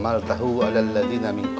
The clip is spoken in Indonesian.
udah jangan merik